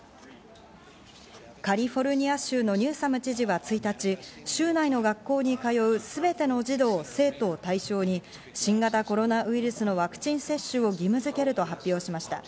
カリフォルニア州のニューサム知事は１日、州内の学校に通うすべての児童・生徒を対象に新型コロナウイルスのワクチン接種を義務づけると発表しました。